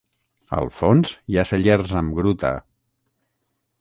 Al fons hi ha cellers amb gruta.